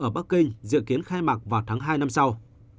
ở bắc kinh dự kiến khai mạc vào tháng hai năm sau